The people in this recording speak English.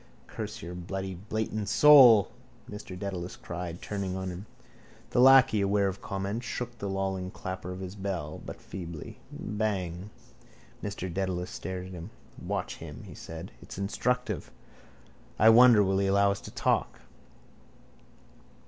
—Curse your bloody blatant soul, Mr Dedalus cried, turning on him. The lacquey, aware of comment, shook the lolling clapper of his bell but feebly: —Bang! Mr Dedalus stared at him. —Watch him, he said. It's instructive. I wonder will he allow us to talk.